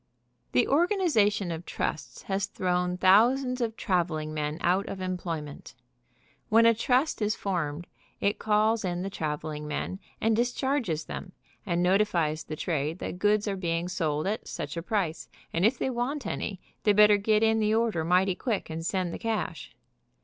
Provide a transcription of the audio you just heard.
The organization of trusts has thrown thousands of traveling men out of employment. When a trust is formed it calls in the traveling men and discharges them, and notifies the trade that goods are being sold at such a price, and if they want any they better get in the order mighty quick, and send the cash.